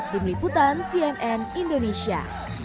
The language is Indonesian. tim liputan cnn indonesia